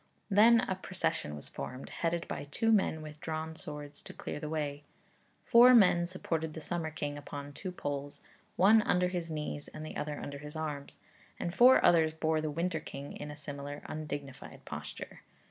Then a procession was formed, headed by two men with drawn swords to clear the way. Four men supported the summer king upon two poles, one under his knees and the other under his arms; and four others bore the winter king in a similar undignified posture.